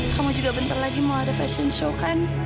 kamu juga bentar lagi mau ada fashion show kan